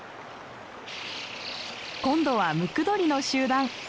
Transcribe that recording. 今度はムクドリの集団。